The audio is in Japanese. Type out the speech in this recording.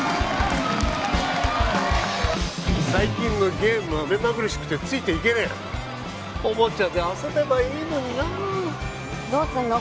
最近のゲームは目まぐるしくてついていけねえやおもちゃで遊べばいいのになあどうすんの？